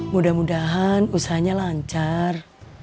mudah mudahan usahanya lancar